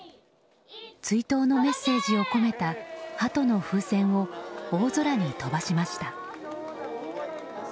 追悼のメッセージを込めたハトの風船を大空に飛ばしました。